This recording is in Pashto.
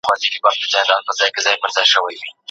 حضرت سري سقطي يو مثال د استقامت وښود.